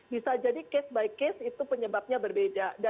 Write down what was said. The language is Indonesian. bisa jadi case by case itu penyebabnya berbeda